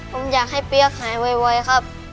ผมอยากให้เปี๊ยกหายไวครับ